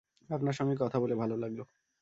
আপনার সঙ্গে কথা বলে ভালো লাগল।